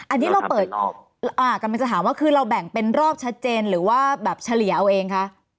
อันนี้เราเปิดกำลังจะถามว่าคือเราแบ่งเป็นรอบชัดเจนหรือว่าแบบเฉลี่ยเอาเองคะ